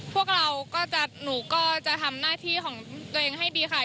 พวกเราก็จะหนูก็จะทำหน้าที่ของตัวเองให้ดีค่ะ